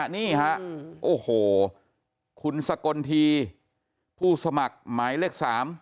นี่ฮะโอ้โหคุณสกลทีผู้สมัครหมายเลข๓